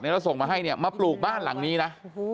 แล้วส่งมาให้เนี่ยมาปลูกบ้านหลังนี้นะ